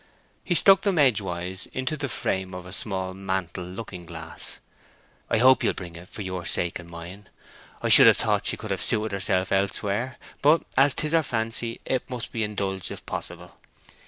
He stuck them edgewise into the frame of a small mantle looking glass. "I hope you'll bring it, for your sake and mine. I should have thought she could have suited herself elsewhere; but as it's her fancy it must be indulged if possible.